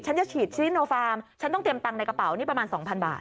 ฉันจะฉีดซีโนฟาร์มฉันต้องเตรียมตังค์ในกระเป๋านี่ประมาณ๒๐๐บาท